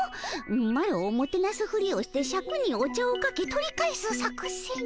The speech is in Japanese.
マロをもてなすふりをしてシャクにお茶をかけ取り返す作戦？